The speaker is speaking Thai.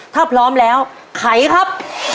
ถ้าพร้อมแล้วไขครับ